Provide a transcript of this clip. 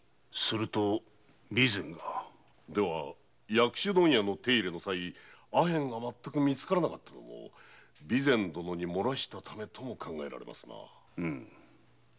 薬種問屋の手入れのさいアヘンが全く見つからなかったのも備前殿が洩らしたためとも考えられますな。